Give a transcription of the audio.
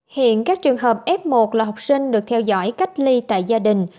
hiện các trường hợp f một là học sinh được theo dõi cách ly tại gia đình